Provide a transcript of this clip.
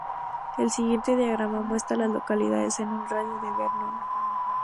El siguiente diagrama muestra a las localidades en un radio de de Vernon.